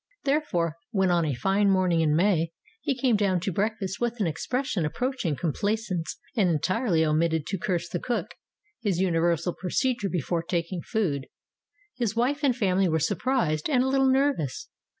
Therefore, when on a fine morning in May he came down to breakfast with an expression approaching complacence and entirely omitted to curse the cook (his universal procedure before taking food), his wife and family were surprised and a little nervous.